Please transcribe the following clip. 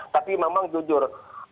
tapi memang jujur